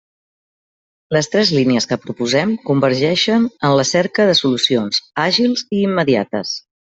Les tres línies que proposem convergeixen en la cerca de solucions àgils i immediates.